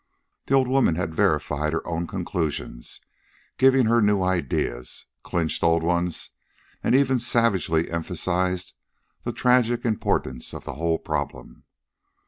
The old woman had verified her own conclusions, given her new ideas, clinched old ones, and even savagely emphasized the tragic importance of the whole problem.